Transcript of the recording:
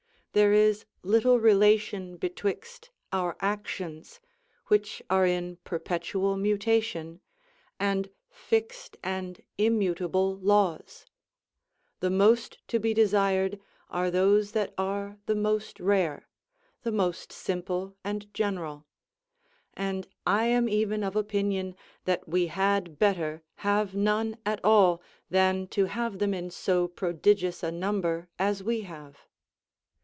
There is little relation betwixt our actions, which are in perpetual mutation, and fixed and immutable laws; the most to be desired are those that are the most rare, the most simple and general; and I am even of opinion that we had better have none at all than to have them in so prodigious a number as we have.